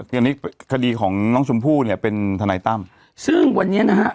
ทีนี้คดีของน้องชมพู่เนี่ยเป็นทนายตั้มซึ่งวันนี้นะฮะ